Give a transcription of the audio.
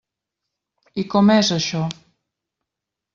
I com és això?